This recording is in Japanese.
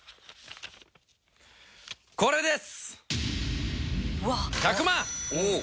これです！